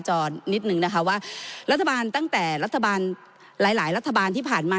จอนิดหนึ่งนะคะว่ารัฐบาลตั้งแต่หลายรัฐบาลที่ผ่านมา